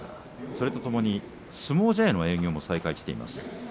それとともに相撲茶屋の営業も再開しています。